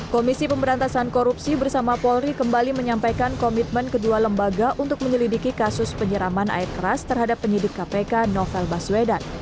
komisi pemberantasan korupsi bersama polri kembali menyampaikan komitmen kedua lembaga untuk menyelidiki kasus penyiraman air keras terhadap penyidik kpk novel baswedan